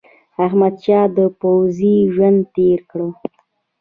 احمدشاه د پوځي ژوند تېر کړ.